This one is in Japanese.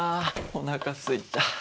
おなかすいた。